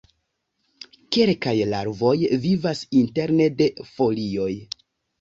Kelkaj larvoj vivas interne de folioj.